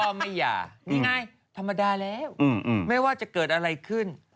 ไม่หย่านี่ไงธรรมดาแล้วไม่ว่าจะเกิดอะไรขึ้น